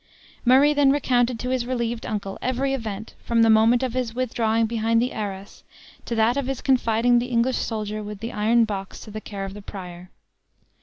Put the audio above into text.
Murray then recounted to his relieved uncle every event, from the moment of his withdrawing behind the arras, to that of his confiding the English soldier with the iron box to the care of the prior.